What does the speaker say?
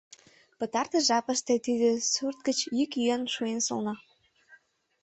Пытартыш жапыште тиде сурт гыч йӱк-йӱан шуэн солна.